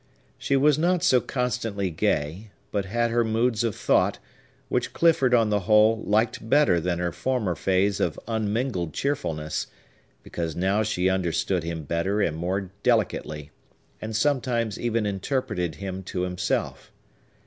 She was not so constantly gay, but had her moods of thought, which Clifford, on the whole, liked better than her former phase of unmingled cheerfulness; because now she understood him better and more delicately, and sometimes even interpreted him to himself.